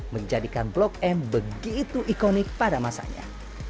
menjadikan blok m begitu ikonik pada masanya